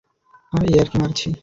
আরে ইয়ার্কি মারছি।